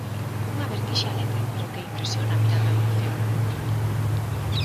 Unha vertixe alegre, pero que impresiona mirando a evolución.